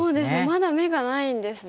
まだ眼がないんですね。